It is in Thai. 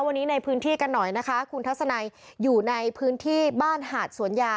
วันนี้ในพื้นที่กันหน่อยนะคะคุณทัศนัยอยู่ในพื้นที่บ้านหาดสวนยา